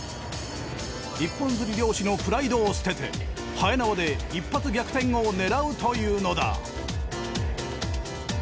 一本釣り漁師のプライドを捨ててはえ縄で一発逆転を狙うというのだ。